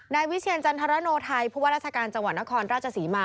วิเชียรจันทรโนไทยผู้ว่าราชการจังหวัดนครราชศรีมา